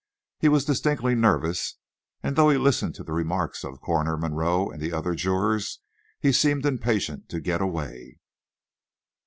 He was distinctly nervous, and though he listened to the remarks of Coroner Monroe and the other jurors, he seemed impatient to get away.